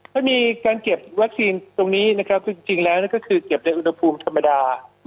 ถ้ามีการเก็บวัคซีนตรงนี้นะครับจริงแล้วก็คือเก็บในอุณหภูมิธรรมดา